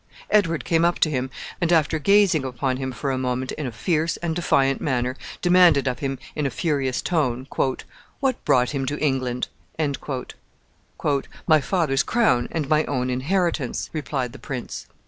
Edward came up to him, and, after gazing upon him a moment in a fierce and defiant manner, demanded of him, in a furious tone, "What brought him to England?" "My father's crown and my own inheritance," replied the prince.